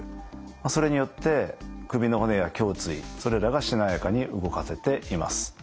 それによって首の骨や胸椎それらがしなやかに動かせています。